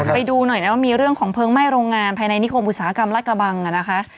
ไปดูหน่อยนะว่ามีเรื่องของเพลิงไหม้โรงงานภายในนิคมอุตสาหกรรมรัฐกระบังนะคะ